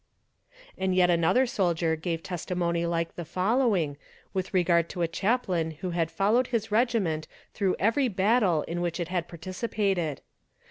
And yet another soldier gave testimony like the following, with regard to a chaplain who had followed his regiment through every battle in which it had participated.